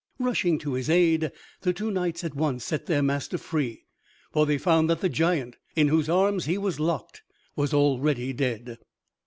Rushing to his aid, the two knights at once set their master free, for they found that the giant, in whose arms he was locked, was already dead.